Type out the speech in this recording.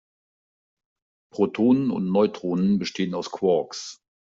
Protonen und Neutronen bestehen aus Quarks.